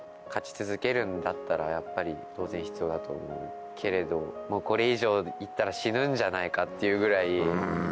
勝ち続けるんだったら、当然必要だと思うけれど、これ以上いったら死ぬんじゃないかっていうぐらい。